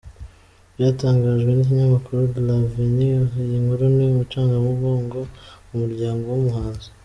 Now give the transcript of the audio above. byatangajwe nikinyamakuru LAvenir, iyi nkuru ni incamugongo ku muryango wumuhanzi.